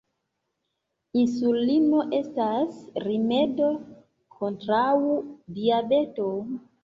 Insulino estas rimedo kontraŭ diabeto.